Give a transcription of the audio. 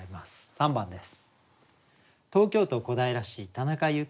３番です。